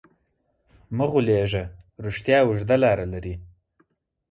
مه غولېږه، رښتیا اوږده لاره لري.